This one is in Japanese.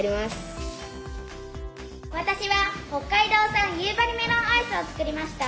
私は北海道産夕張メロンアイスを作りました。